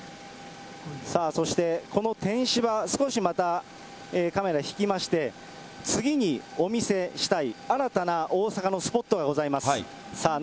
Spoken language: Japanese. そして、このてんしば、少しまたカメラ引きまして、次にお見せしたい新たな大阪のスポットがございます。